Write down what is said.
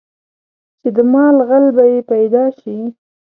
چې د مال غل به یې پیدا شي.